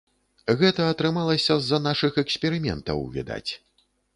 Гэта атрымалася з-за нашых эксперыментаў, відаць.